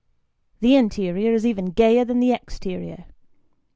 The interior is even gayer than the exterior.